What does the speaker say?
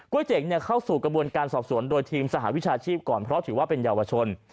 เจ๋งเข้าสู่กระบวนการสอบสวนโดยทีมสหวิชาชีพก่อนเพราะถือว่าเป็นเยาวชน